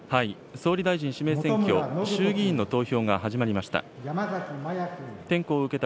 総理大臣指名選挙、衆議院の投票が始まりました。